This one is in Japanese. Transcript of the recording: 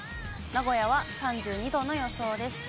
名古屋は３２度の予想です。